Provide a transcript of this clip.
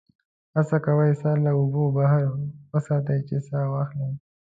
هڅه کوي سر له اوبو بهر وساتي چې سا واخلي.